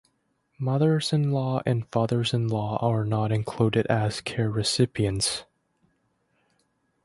Mothers-in-law and fathers-in-law are not included as care recipients.